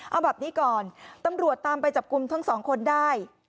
เอาแบบนี้ก่อนตำรวจตามไปจับกลุ่มทั้งสองคนได้